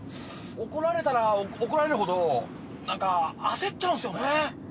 怒られたら怒られるほど何か焦っちゃうんすよね。